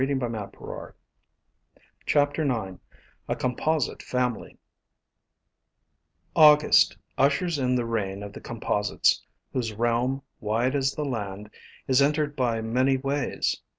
IX A COMPOSITE FAMILY UGUST ushers in the reign of the Composites, whose realm, wide as the land, is ,entered by many ways.